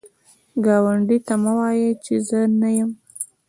ګاونډي ته مه وایی چې زه نه یم